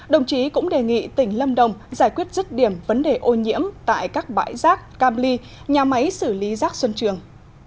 đồng chí cũng đề nghị tỉnh lâm đồng giải quyết rứt điểm vấn đề ô nhiễm tại các bãi rác cam ly nhà máy xử lý rác xuân trường